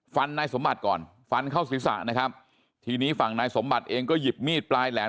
นายสมบัติก่อนฟันเข้าศีรษะนะครับทีนี้ฝั่งนายสมบัติเองก็หยิบมีดปลายแหลม